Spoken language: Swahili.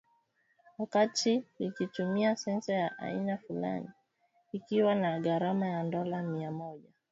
wakati kikitumia sensa ya aina fulan, ikiwa na gharama ya dola mia moja hamsini za kimerekani